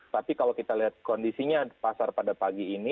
tapi kalau kita lihat kondisinya pasar pada pagi ini